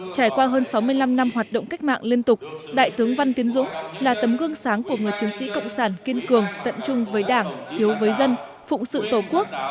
trải qua hơn sáu mươi năm năm hoạt động cách mạng liên tục đại tướng văn tiến dũng là tấm gương sáng của người chiến sĩ cộng sản kiên cường tận trung với đảng hiếu với dân phụng sự tổ quốc